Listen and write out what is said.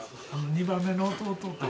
２番目の弟。